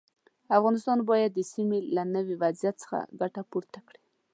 افغانستان باید د سیمې له نوي وضعیت څخه ګټه پورته کړي.